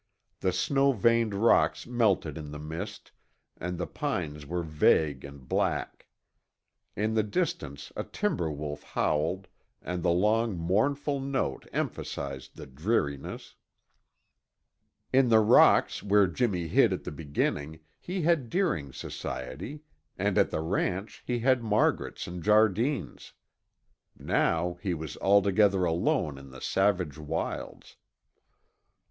The snow veined rocks melted in the mist and the pines were vague and black. In the distance a timber wolf howled and the long mournful note emphasized the dreariness. In the rocks where Jimmy hid at the beginning he had Deering's society and at the ranch he had Margaret's and Jardine's. Now he was altogether alone in the savage wilds.